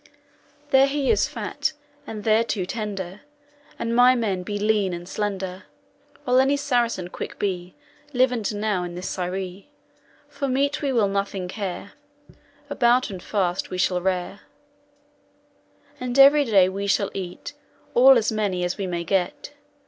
There he is fat, and thereto tender, And my men be lean and slender. While any Saracen quick be, Livand now in this Syrie, For meat will we nothing care. Abouten fast we shall rare, And every day we shall eat All as many as we may get.